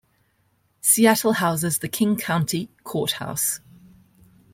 Seattle houses the King County Courthouse.